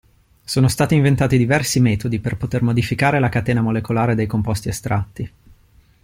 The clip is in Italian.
Sono stati inventati diversi metodi per poter modificare la catena molecolare dei composti estratti.